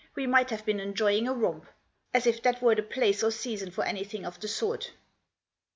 We might have been enjoying a romp. As if that were the place or season for anything of the sort